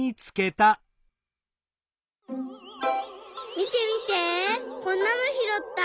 みてみてこんなのひろった！